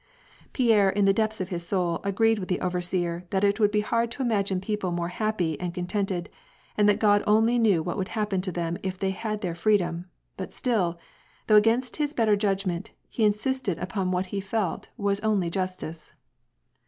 Pierre in the depths of his soul agreed with the overseer that it would be hard to imagine people more happy and con tented, and that God only knew what would happen to them if they had their freedom, but still, though against his better judgment, he insisted upon what he felt was only justice.